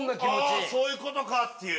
そういうことか！っていう。